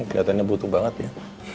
kelihatannya butuh banget ya